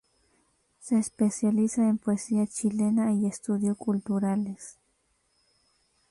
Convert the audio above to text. Se especializa en poesía chilena y estudios culturales.